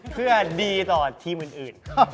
เพื่อดีต่อทีมอื่น